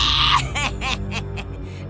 kami ini pasukan